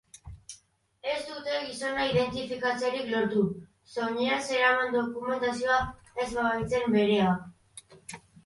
Ez dute gizona identifikatzerik lortu, soinean zeraman dokumentazioa ez baitzen berea.